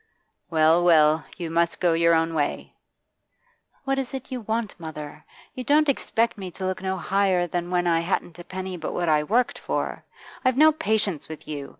Well, well, you must go your own way ' 'What is it you want, mother? You don't expect me to look no higher than when I hadn't a penny but what I worked for? I've no patience with you.